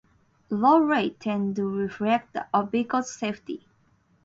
Low rates tend to reflect a vehicle's safety.